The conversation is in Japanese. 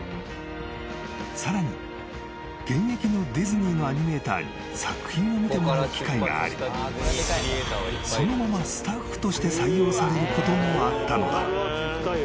［さらに現役のディズニーのアニメーターに作品を見てもらう機会がありそのままスタッフとして採用されることもあったのだ］